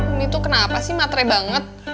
ini tuh kenapa sih matre banget